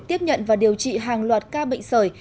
tiếp nhận và điều trị hàng loạt ca bệnh sởi